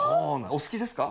お好きですか？